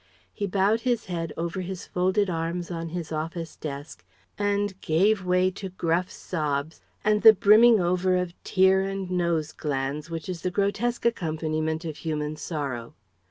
He bowed his head over his folded arms on his office desk, and gave way to gruff sobs and the brimming over of tear and nose glands which is the grotesque accompaniment of human sorrow.